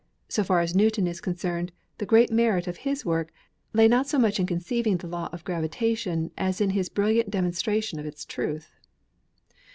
So far as Newton is concerned, the great merit of his work lay not so much in conceiving the law of gravitation as in his brilliant demonstration of its truth.